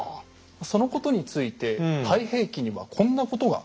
そのことについて「太平記」にはこんなことが書かれています。